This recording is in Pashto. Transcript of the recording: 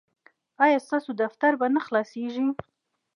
ایا ستاسو دفتر به نه خلاصیږي؟